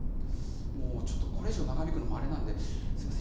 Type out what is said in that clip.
もうちょっとこれ以上長引くのもあれなんですみません